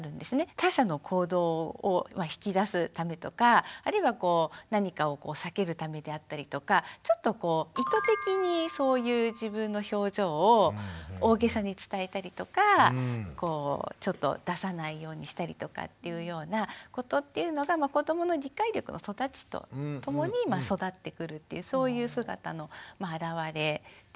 他者の行動を引き出すためとかあるいはこう何かを避けるためであったりとかちょっと意図的にそういう自分の表情を大げさに伝えたりとかちょっと出さないようにしたりとかっていうようなことっていうのが子どもの理解力が育つとともに育ってくるっていうそういう姿の表れっていうのが見られるのがちょうど。